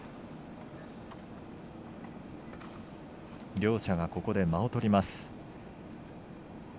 両者がここで間をとります。